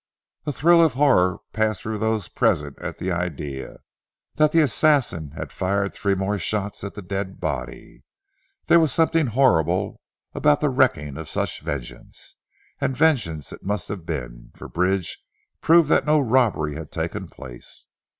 A thrill of horror passed through those present at the idea, that the assassin had fired three more shots at the dead body. There was something horrible about the wreaking of such vengeance. And vengeance it must have been, for Bridge proved that no robbery had taken place.